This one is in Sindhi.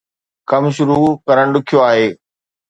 ڪم شروع ڪرڻ ڏکيو آهي